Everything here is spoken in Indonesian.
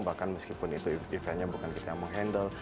bahkan meskipun itu eventnya bukan kita yang menghandle